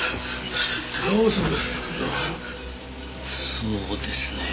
そうですねえ。